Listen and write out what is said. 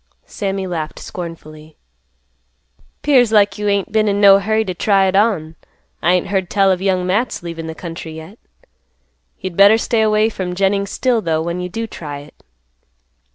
Sammy laughed scornfully, "'Pears like you ain't been in no hurry t' try it on. I ain't heard tell of Young Matt's leaving th' country yet. You'd better stay away from Jennings' still though, when you do try it."